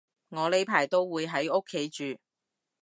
我呢排都會喺屋企住